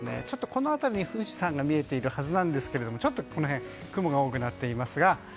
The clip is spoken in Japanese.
この辺りに富士山が見えているはずなんですけどちょっと雲が多くなっていますが。